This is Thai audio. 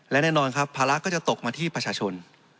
และแน่นอนครับภาระก็จะตกมาที่ประชาชน